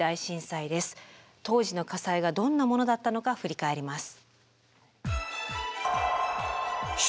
当時の火災がどんなものだったのか振り返ります。